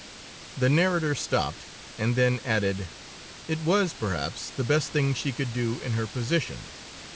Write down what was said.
The narrator stopped, and then added: "It was, perhaps, the best thing she could do in her position.